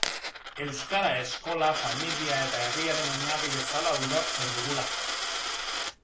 Euskara eskola, familia eta herriaren oinarri bezala ulertzen dugulako.